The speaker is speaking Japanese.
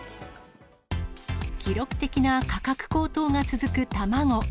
記録的な価格高騰が続く卵。